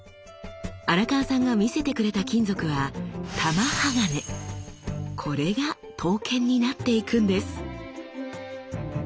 荒川さんが見せてくれた金属はこれが刀剣になっていくんです。